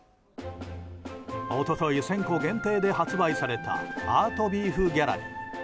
一昨日、１０００個限定で販売されたアートビーフギャラリー。